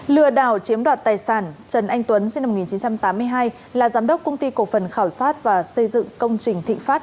lừa đảo chiếm đoạt tài sản trần anh tuấn sinh năm một nghìn chín trăm tám mươi hai là giám đốc công ty cổ phần khảo sát và xây dựng công trình thịnh pháp